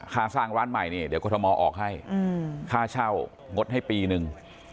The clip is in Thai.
ค่าสร้างร้านใหม่เนี่ยเดี๋ยวกรทมออกให้ค่าเช่างดให้ปีนึง